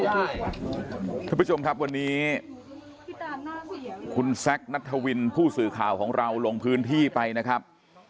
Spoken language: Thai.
คุณผู้ชมครับวันนี้คุณแซคนัทธวินผู้สื่อข่าวของเราลงพื้นที่ไปนะครับ